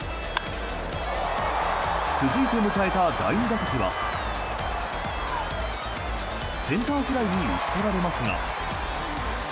続いて迎えた第２打席はセンターフライに打ち取られますが。